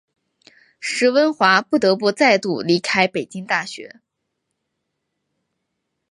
石蕴华不得不再度离开北京大学。